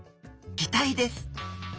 擬態です。